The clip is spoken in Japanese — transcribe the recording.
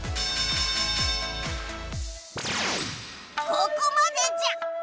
ここまでじゃ！